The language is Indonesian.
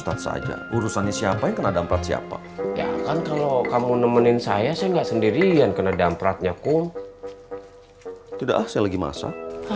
tidak ah saya lagi masak